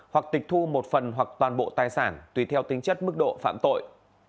hoặc tịch thu một phần hoặc toàn bộ tài sản tùy theo tính chất mức độ phạm tội